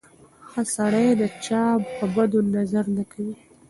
ښه سړی د چا په بدو نظر نه کوي.